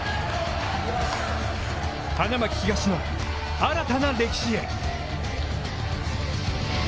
花巻東の新たな歴史へ。